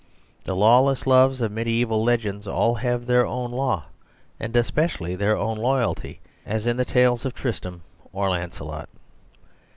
The lawless loves of mediaeval legends all have their own law, and especially their own loyalty, as in the tales of Tristram or Lancelot.